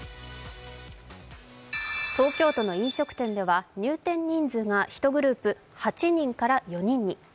東京都の飲食店では入店人数が１グループ、８人から４人に。